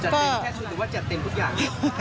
เต็มแค่ชุดหรือว่าจัดเต็มทุกอย่าง